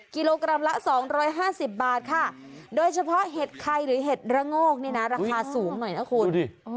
กิโลกรัมละ๒๕๐บาทค่ะโดยเฉพาะเห็ดไข่หรือเห็ดระโงกนี่นะราคาสูงหน่อยนะคุณดิ